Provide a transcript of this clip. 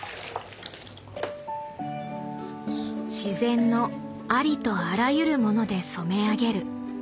自然のありとあらゆるもので染め上げる。